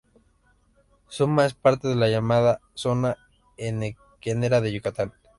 Suma es parte de la llamada zona henequenera de Yucatán.